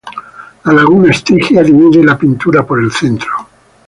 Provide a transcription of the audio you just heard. La laguna Estigia divide la pintura por el centro.